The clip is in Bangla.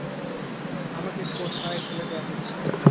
আমাকে কোথায় ঠেলে দেয়া হচ্ছে।